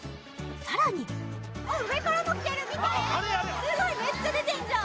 さらに見てすごいめっちゃ出てんじゃん！